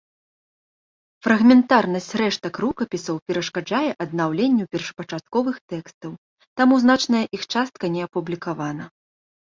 Фрагментарнасць рэштак рукапісаў перашкаджае аднаўленню першапачатковых тэкстаў, таму значная іх частка не апублікавана.